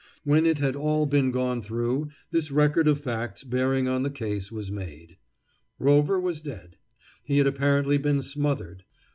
When it had all been gone through, this record of facts bearing on the case was made: Rover was dead. He had apparently been smothered.